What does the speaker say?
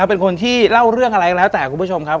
เป็นคนที่เล่าเรื่องอะไรก็แล้วแต่คุณผู้ชมครับ